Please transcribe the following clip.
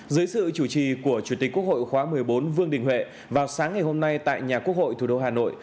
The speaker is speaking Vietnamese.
dưới sự chủ trì của chủ tịch quốc hội khóa một mươi bốn vương đình huệ vào sáng ngày hôm nay tại nhà quốc hội thủ đô hà nội